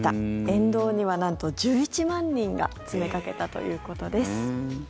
沿道には、なんと１１万人が詰めかけたということです。